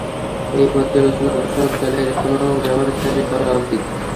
এই পর্যালোচনা প্রশাসক দলের কোনও ব্যবহারকারীর করা উচিত।